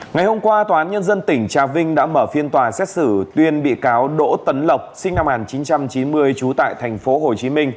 ngày hôm qua tòa án nhân dân tỉnh trà vinh đã mở phiên tòa xét xử tuyên bị cáo đỗ tấn lộc sinh năm một nghìn chín trăm chín mươi trú tại tp hcm